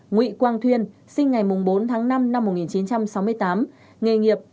nguyễn quang thuyên sinh ngày bốn tháng năm năm một nghìn chín trăm sáu mươi tám nghề nghiệp